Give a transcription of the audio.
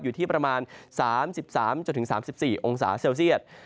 อยู่ที่ประมาณ๓๓๔องศาเซลเซียต